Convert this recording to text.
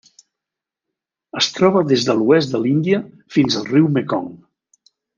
Es troba des de l'oest de l'Índia fins al riu Mekong.